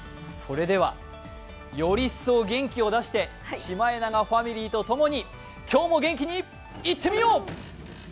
それではより一層、元気を出してシマエナガファミリーとともに今日も元気にいってみよう！